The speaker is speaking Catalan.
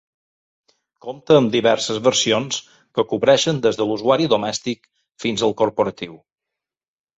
Compta amb diverses versions, que cobreixen des de l'usuari domèstic fins al corporatiu.